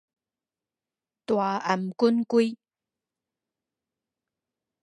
大頷頸胿